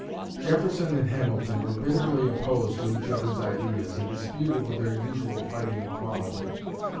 Jefferson and Hamilton were bitterly opposed to each other's ideas and disputed with their usual fighting quality.